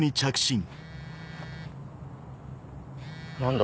何だ？